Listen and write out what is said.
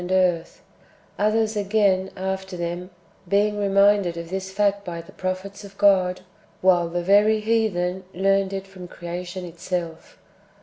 143 earth ; others, again, after them, being reminded of this fact by the prophets of God, Avhile the very heathen learned it from creation itself.